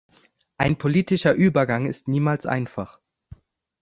Ein politischer Übergang ist niemals einfach.